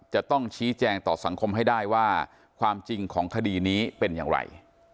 จะต้องชี้แจงต่อสังคมให้ได้ว่าความจริงของคดีนี้เป็นอย่างไร